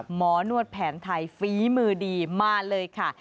หมอนวดแผนไทยฝีมือดีมาเลยค่ะ